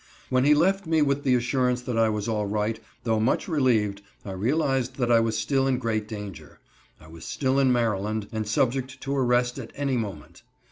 When he left me with the assurance that I was all right, though much relieved, I realized that I was still in great danger: I was still in Maryland, and subject to arrest at any moment.